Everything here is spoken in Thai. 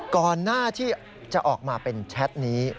ก่อนหน้าที่จะออกมาเป็นแชทนี้